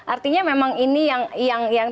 artinya memang ini yang